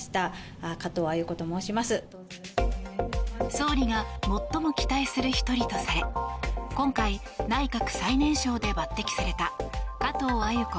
総理が最も期待する１人とされ今回、内閣最年少で抜擢された加藤鮎子